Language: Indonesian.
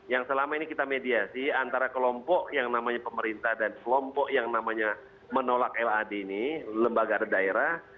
yang selama ini kita mediasi antara kelompok yang namanya pemerintah dan kelompok yang namanya menolak lad ini lembaga daerah